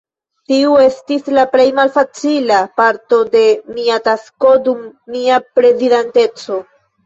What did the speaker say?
Tiu estis la plej malfacila parto de mia tasko dum mia prezidanteco.